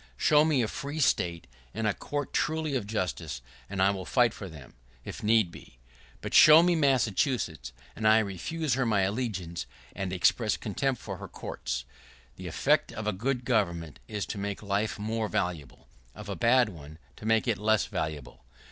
[¶44] Show me a free state, and a court truly of justice, and I will fight for them, if need be; but show me Massachusetts, and I refuse her my allegiance, and express contempt for her courts. [¶45] The effect of a good government is to make life more valuable — of a bad one, to make it less valuable.